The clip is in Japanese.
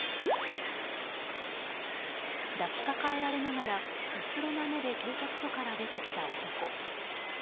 抱きかかえられながらうつろな目で警察署から出てきた男。